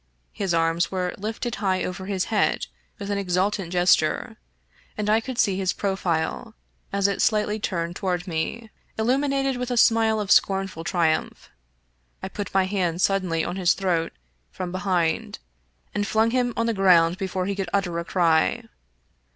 His arms were lifted high over his head with an exultant gesture, and I could see his profile, as it slightly turned toward me, illuminated with a smile of scornful triumph. I put my hand suddenly on his throat from be hind, and flung him on the ground before he could utter a cry.